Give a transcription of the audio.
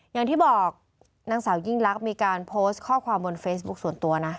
อย่างที่บอกนางสาวยิ่งลักษณ์มีการโพสต์ข้อความบนเฟซบุ๊คส่วนตัวนะ